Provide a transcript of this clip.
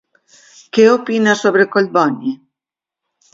Què opina sobre Collboni?